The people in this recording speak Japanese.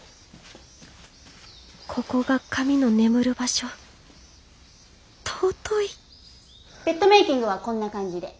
ここが神の眠る場所尊いベッドメーキングはこんな感じで。